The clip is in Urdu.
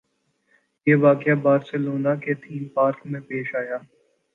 یہ واقعہ بارسلونا کے تھیم پارک میں پیش آیا